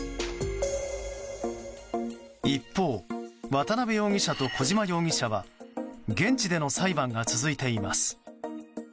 一方、渡邉容疑者と小島容疑者は現地での裁判が続いています。